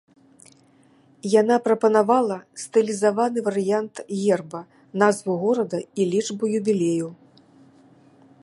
Яна прапанавала стылізаваны варыянт герба, назву горада і лічбу юбілею.